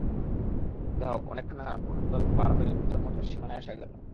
যা হোক, অনেক খানা-খন্দল পার হয়ে নূতন মঠের সীমানায় আসা গেল।